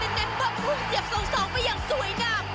แน่ว่าพูดเจ็บส่องไปอย่างสวยนาม